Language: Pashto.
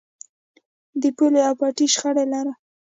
د پولې او پټي شخړه لرئ؟